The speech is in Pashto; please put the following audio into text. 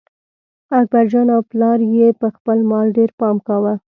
اکبرجان او پلار یې په خپل مال ډېر پام کاوه.